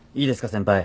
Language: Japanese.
先輩。